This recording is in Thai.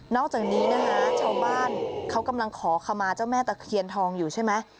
อกจากนี้นะคะชาวบ้านเขากำลังขอขมาเจ้าแม่ตะเคียนทองอยู่ใช่ไหม